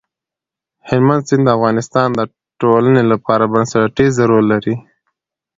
هلمند سیند د افغانستان د ټولنې لپاره بنسټيز رول لري.